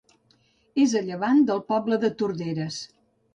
És a llevant del poble de Torderes.